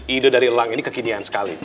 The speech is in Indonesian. ide dari elang ini kekinian sekali